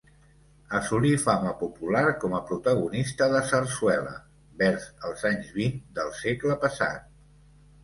Assolí fama popular com a protagonista de sarsuela, vers els anys vint del segle passat.